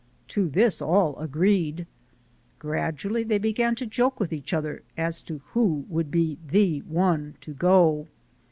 To this all agreed. Gradually they began to joke with each other as to who would be the one to go.